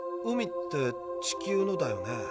「海」って地球のだよね？